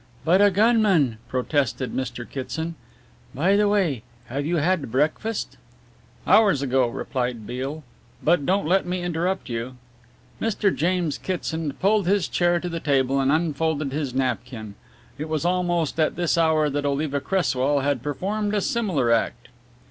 "But a gunman," protested Mr. Kitson "by the way, have you had breakfast?" "Hours ago," replied Beale, "but don't let me interrupt you." Mr. James Kitson pulled his chair to the table and unfolded his napkin. It was almost at this hour that Oliva Cresswell had performed a similar act.